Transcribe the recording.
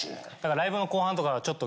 ライブの後半とかはちょっと。